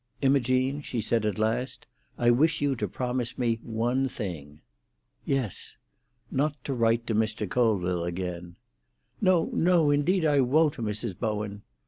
"Imogene," she said at last, "I wish you to promise me one thing." "Yes." "Not to write to Mr. Colville again." "No, no; indeed I won't, Mrs. Bowen!"